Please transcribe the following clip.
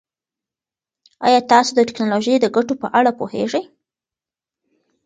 ایا تاسو د ټکنالوژۍ د ګټو په اړه پوهېږئ؟